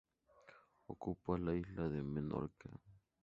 Ocupa la isla de Menorca.